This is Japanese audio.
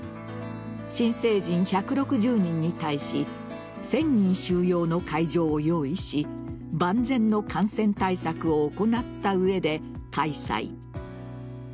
新成人１６０人に対し１０００人収容の会場を用意し万全の感染対策を行った上で開催。